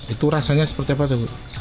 itu rasanya seperti apa tuh